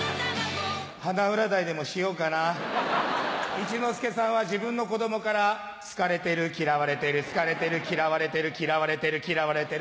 一之輔さんは自分の子供から好かれてる嫌われてる好かれてる嫌われてる嫌われてる嫌われてる。